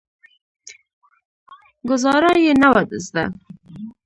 ګوزارا یې نه وه زده.